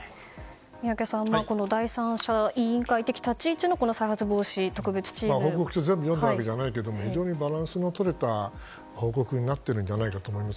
宮家さんは第三者委員会的な立ち位置の報告書を全部読んだわけじゃないけど非常にバランスのとれた報告になってると思います。